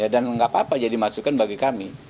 dan nggak apa apa jadi masukkan bagi kami